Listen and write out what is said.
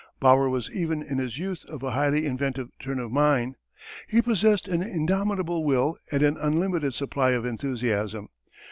Bauer was even in his youth of a highly inventive turn of mind. He possessed an indomitable will and an unlimited supply of enthusiasm.